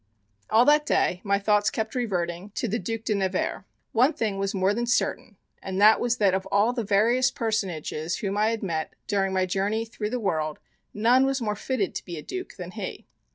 All that day my thoughts kept reverting to the Duc de Nevers. One thing was more than certain and that was that of all the various personages whom I had met during my journey through the world none was more fitted to be a duke than he.